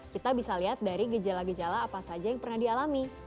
kita bisa lihat dari gejala gejala apa saja yang pernah dialami